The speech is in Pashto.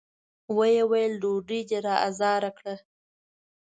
ويې ويل: ډوډۍ دې را زار کړه!